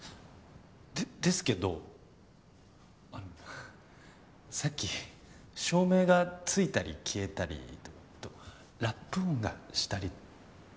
でですけどあのははっさっき照明がついたり消えたりと後ラップ音がしたり。